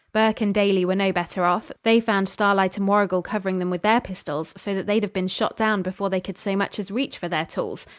Burke and Daly were no better off. They found Starlight and Warrigal covering them with their pistols, so that they'd have been shot down before they could so much as reach for their tools.